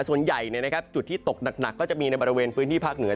ส่วนใหญ่จุดที่ตกหนักก็จะมีในบริเวณพื้นที่ภาคเหนือ